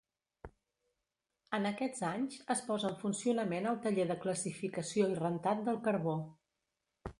En aquests anys, es posa en funcionament el taller de classificació i rentat del carbó.